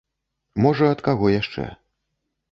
Можа, ад каго яшчэ.